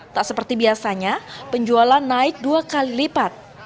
tak seperti biasanya penjualan naik dua kali lipat